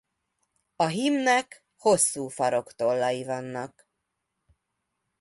A hímnek hosszú faroktollai vannak.